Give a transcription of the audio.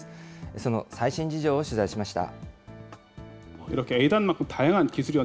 その最新事情を取材しました。